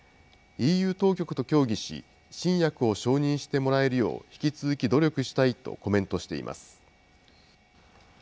ＥＵ当局と協議し、新薬を承認してもらえるよう引き続き努力したいとコメントしています。